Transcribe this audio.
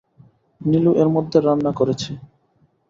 নীলু এর মধ্যে রান্না করেছে।